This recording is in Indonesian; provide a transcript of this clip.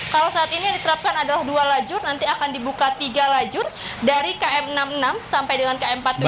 kalau saat ini yang diterapkan adalah dua lajur nanti akan dibuka tiga lajur dari km enam puluh enam sampai dengan km empat puluh dua